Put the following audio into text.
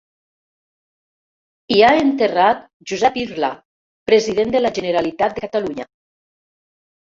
Hi ha enterrat Josep Irla, president de la Generalitat de Catalunya.